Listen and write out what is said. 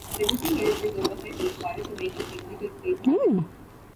Everything else is overhead required to make the execute phase happen.